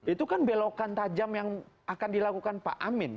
itu kan belokan tajam yang akan dilakukan pak amin